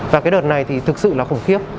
và cái đợt này thì thực sự là khủng khiếp